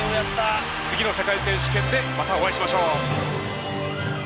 次の世界選手権でまたお会いしましょう。